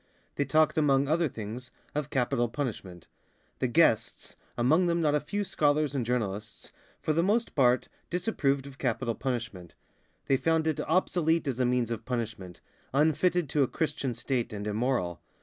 They talked among other things of capital punishment. The guests, among them not a few scholars and journalists, for the most part disapproved of capital punishment. They found it obsolete as a means of punishment, unfitted to a Christian State and immoral.